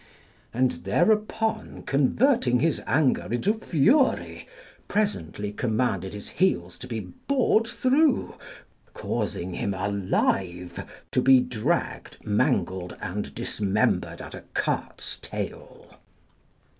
And thereupon converting his anger into fury, presently commanded his heels to be bored through, causing him, alive, to be dragged, mangled, and dismembered at a cart's tail.